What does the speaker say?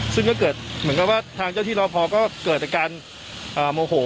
ซึ่งก็เกิดเหมือนกับว่าทางเจ้าที่รอพอก็เกิดอาการโมโห